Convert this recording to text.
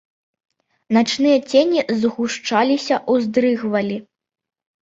Начныя цені згушчаліся, уздрыгвалі.